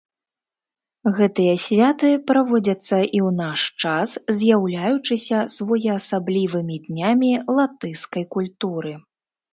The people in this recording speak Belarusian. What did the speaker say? Гэтыя святы праводзяцца і ў наш час, з'яўляючыся своеасаблівымі днямі латышскай культуры.